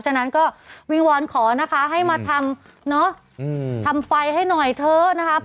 ฉะนั้นก็วิวขอนะคะให้มาทำเนอะทำไฟให้หน่อยเถอะนะครับ